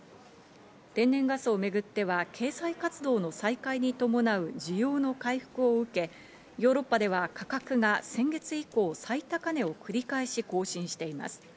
天然ガスをめぐっては経済活動の再開に伴う需要の回復を受け、ヨーロッパでは価格が先月以降、最高値を繰り返し更新しています。